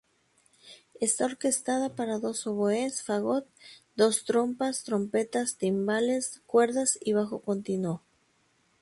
Está orquestada para dos oboes, fagot, dos trompas, trompetas, timbales, cuerdas y bajo continuo.